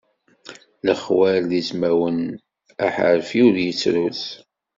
Lexwal d izmawen, aḥerbi ur yettrus.